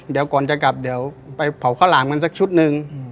เดี๋ยวก่อนจะกลับเดี๋ยวไปเผาข้าวหลามกันสักชุดหนึ่ง